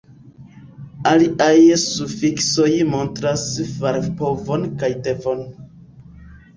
Aliaj sufiksoj montras farpovon kaj devon.